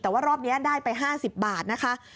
แต่ว่ารอบนี้ได้ไป๕๐บาทนะคะ